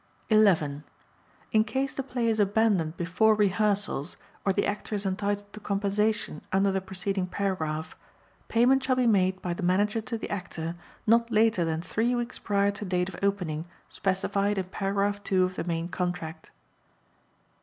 11. In case the play is abandoned before rehearsals or the Actor is entitled to compensation under the preceding paragraph, payment shall be made by the Manager to the Actor not later than three weeks prior to date of opening specified in Paragraph 2 of the main contract.